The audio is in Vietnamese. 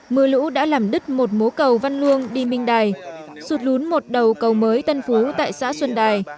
mưa lũ đã làm đứt một mố cầu văn luông đi minh đài sụt lún một đầu cầu mới tân phú tại xã xuân đài